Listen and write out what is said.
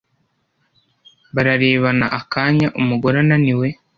bararebana akanya. umugore ananiwe,